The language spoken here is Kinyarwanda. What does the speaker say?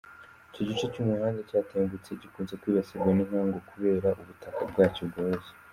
Icyo gice cy’umuhanda cyatengutse, gikunze kwibasirwa n’inkangu kubera ubutaka bwacyo bworoshye.